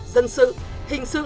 dân sự hình sự